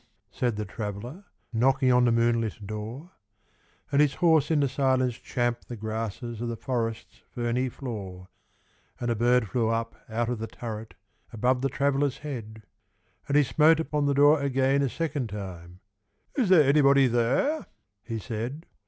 said the Traveller, Knocking on the moonlit door; And his horse in the silence champed the grasses Of the forest's ferny floor: And a bird flew up out of the turret, Above the Traveller's head: And he smote upon the door again a second time; 'Is there anybody there?' he said.